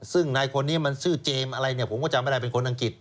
ซึ่งนายคนนี้มันชื่อเจมส์อะไรเนี่ยผมก็จำไม่ได้เป็นคนอังกฤษ